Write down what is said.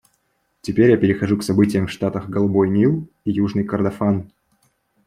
Теперь я перехожу к событиям в штатах Голубой Нил и Южный Кордофан.